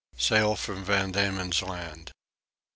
Sail from Van Diemen's Land.